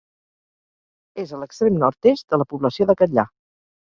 És a l'extrem nord-est de la població de Catllà.